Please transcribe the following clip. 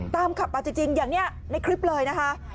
ขับมาจริงอย่างนี้ในคลิปเลยนะคะ